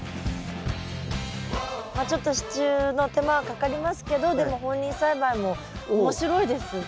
まあちょっと支柱の手間はかかりますけどでも放任栽培も面白いですね。